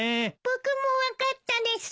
僕も分かったです。